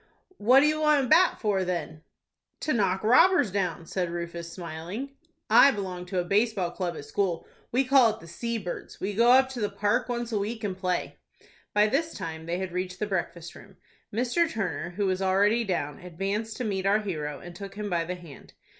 "What do you want a bat for, then?" "To knock robbers down," said Rufus, smiling. "I belong to a base ball club at school. We call it the "Sea Birds." We go up to the Park once a week and play." By this time they had reached the breakfast room. Mr. Turner, who was already down, advanced to meet our hero, and took him by the hand.